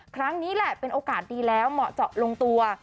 ครั้งนี้แหละเป็นโอกาสดีแล้วเหมาะเจาะลงตัว